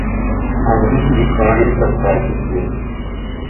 Eine wichtige Frage ist das Preissystem.